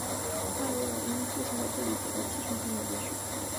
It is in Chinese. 艾薇尔因父亲的不理解而气冲冲地离去。